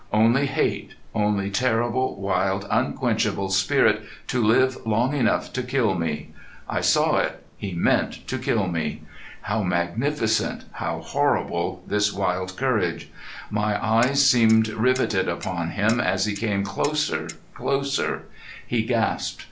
Only hate, only terrible, wild, unquenchable spirit to live long enough to kill me! I saw it, He meant to kill me. How magnificent, how horrible this wild courage! My eyes seemed riveted upon him, as he came closer, closer. He gasped.